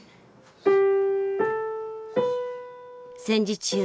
戦時中